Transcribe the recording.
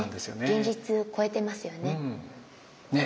現実超えてますよね。